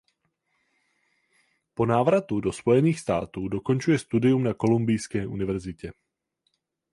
Po návratu do Spojených států dokončuje studium na Kolumbijské univerzitě.